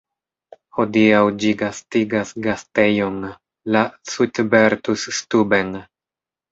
Hodiaŭ ĝi gastigas gastejon, la „Suitbertus-Stuben".